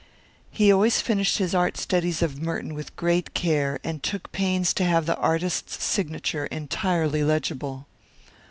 He always finished his art studies of Merton with great care, and took pains to have the artist's signature entirely legible.